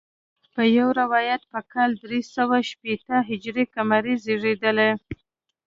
په یو روایت په کال درې سوه شپېته هجري قمري زیږېدلی.